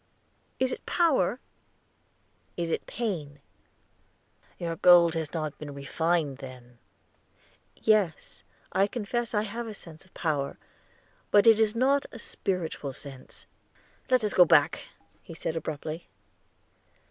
"Is it power? It is pain." "Your gold has not been refined then." "Yes, I confess I have a sense of power; but it is not a spiritual sense." "Let us go back," he said abruptly.